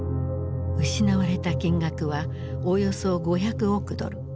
失われた金額はおよそ５００億ドル。